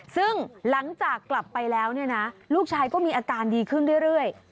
ซึ่งหลังจากกลับไปแล้วเนี่ยนะลูกชายก็มีอาการดีขึ้นเรื่อย